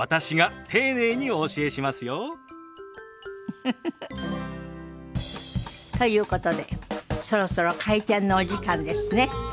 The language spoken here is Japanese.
ウフフフ。ということでそろそろ開店のお時間ですね。